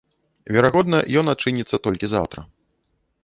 Верагодна, ён адчыніцца толькі заўтра.